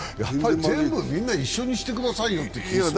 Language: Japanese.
全部一緒にしてくださいよって気がします。